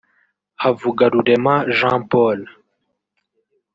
Havugarurema Jean Paul